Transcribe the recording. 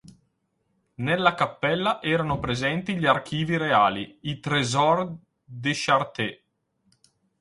Nella cappella erano presenti gli archivi reali, i "Trésor des Chartes.